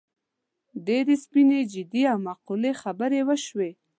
ډېرې سپینې، جدي او معقولې خبرې وشوې.